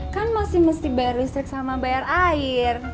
kan masih mesti bayar listrik sama bayar air